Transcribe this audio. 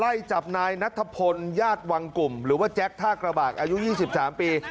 ไล่จับนายนัทพลญาติวังกลุ่มหรือว่าแจ็คท่ากระบากอายุ๒๓ปี